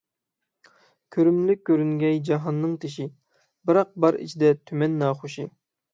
كۆرۈملۈك كۆرۈنگەي جاھاننىڭ تېشى، بىراق بار ئىچىدە تۈمەن ناخۇشى.